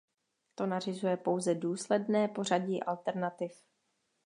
To nařizuje pouze důsledné pořadí alternativ.